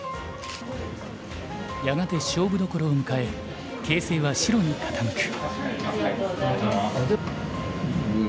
やがて勝負どころを迎え形勢は白に傾く。